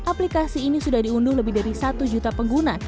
aplikasi ini sudah diunduh lebih dari satu juta pengguna